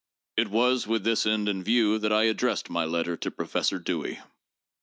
It was with this end in view that I addressed my letter to Professor Dewey.